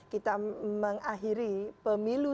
kita mengakhiri pemilu